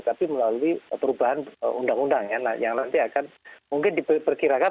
tapi melalui perubahan undang undang yang nanti akan mungkin diperkirakan